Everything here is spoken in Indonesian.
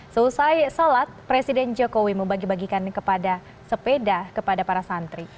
selesai sholat presiden jokowi membagi bagikan kepada sepeda kepada para santri